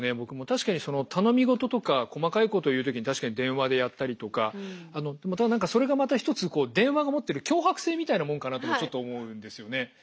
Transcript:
確かに頼み事とか細かいこと言う時に確かに電話でやったりとかそれがまた一つ電話が持ってる強迫性みたいなもんかなとちょっと思うんですよね。